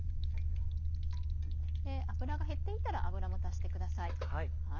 油が減っていたら油も足してください。